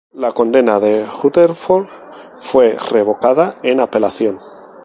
La condena de Rutherford fue revocada en apelación.